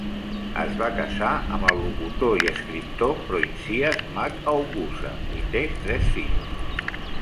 Es va casar amb el locutor i escriptor Proinsias Mac Aonghusa i té tres fills.